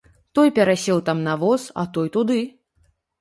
Той перасеў таму на воз, а той туды.